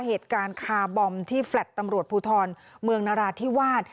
เหตุการณ์คาร์บอมที่แฟลต์ตำรวจภูทรเมืองนราธิวาส